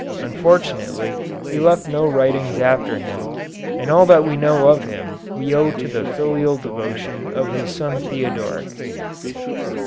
Unfortunately he left no writings after him, and all that we know of him we owe to the filial devotion of his son Theodoric.